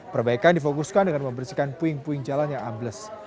perbaikan difokuskan dengan membersihkan puing puing jalan yang ambles